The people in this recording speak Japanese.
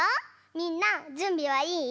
みんなじゅんびはいい？